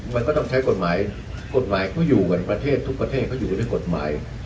มันก็ต้องใช้กฎหมายกฎหมายเขาอยู่กันประเทศทุกประเทศเขาอยู่กันด้วยกฎหมาย